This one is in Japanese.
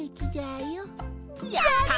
やった！